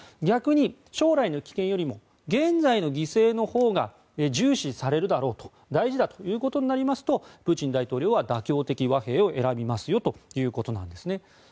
逆に、将来の危険よりも現在の犠牲のほうが重視されるだろうということになりますと、プーチン大統領は妥協的和平を選びますよということなんですね。